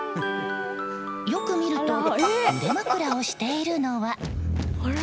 よく見ると腕まくらをしているのは。